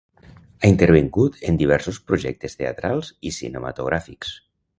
Ha intervingut en diversos projectes teatrals i cinematogràfics.